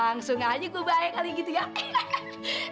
langsung aja gua baik kali gitu ya hahaha